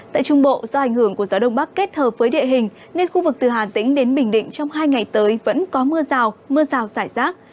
tại trung bộ do ảnh hưởng của gió đông bắc kết hợp với địa hình nên khu vực từ hà tĩnh đến bình định trong hai ngày tới vẫn có mưa rào mưa rào rải rác